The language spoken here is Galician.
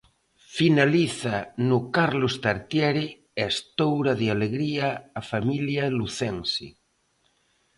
Finaliza no Carlos Tartiere e estoura de alegría a familia lucense.